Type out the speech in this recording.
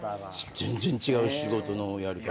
全然違う仕事のやり方。